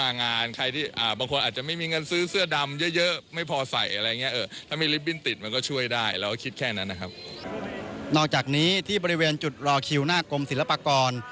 นอกจากนี้ที่บริเวณจุดรอคิวหน้ากรมศิลปากร